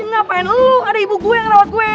ngapain oh ada ibu gue yang rawat gue